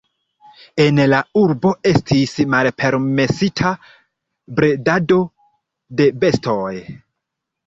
En la urbo estis malpermesita bredado de bestoj.